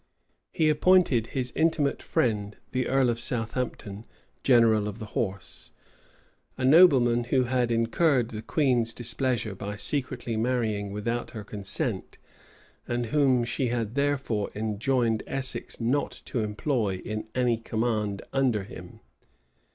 He appointed his intimate friend the earl of Southampton, general of the horse; a nobleman who had incurred the queen's displeasure by secretly marrying without her consent, and whom she had therefore enjoined Essex not to employ in any command under him.